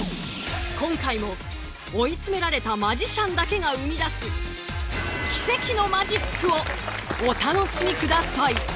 今回も追い詰められたマジシャンだけが生み出す奇跡のマジックをお楽しみください。